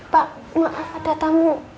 pak maaf ada tamu